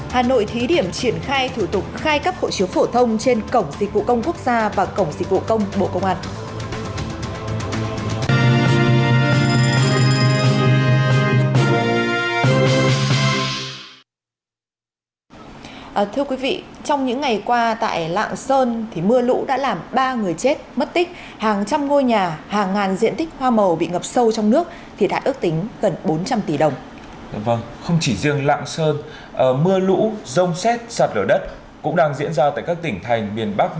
hà nội thí điểm triển khai thủ tục khai cấp hộ chiếu phổ thông trên cổng dịch vụ công quốc gia và cổng dịch vụ công bộ công an